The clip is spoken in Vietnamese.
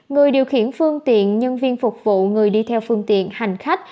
người điều khiển phương tiện nhân viên phục vụ người đi theo phương tiện hành khách